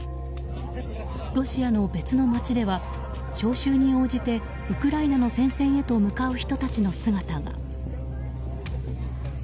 ロシアの別の街では招集に応じてウクライナの戦線へと向かう人たちの姿が。